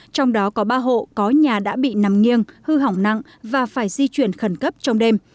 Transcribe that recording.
trong đó có ba hộ có nhà đã bị nằm nghiêng hư hỏng nặng và phải di chuyển khẩn cấp trong đêm